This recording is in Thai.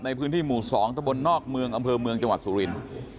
ในพื้นที่หมู่๒ตะบนนอกเมืองอำเภอเมืองจังหวัดสุรินทร์